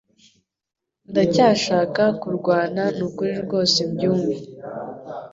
Ndacyashaka kurwana nukuri rwose byumve